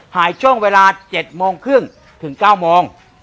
หายช่วงเวลา๗โมงครึ่งถึง๙โมง